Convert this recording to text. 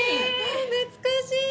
懐かしい！